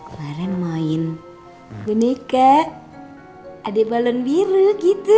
mau main apa dong